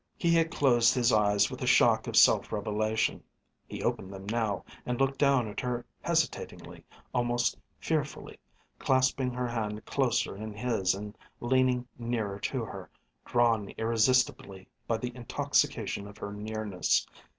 He had closed his eyes with the shock of self revelation, he opened them now and looked down at her hesitatingly, almost fearfully, clasping her hand closer in his and leaning nearer to her, drawn irresistibly by the intoxication of her nearness.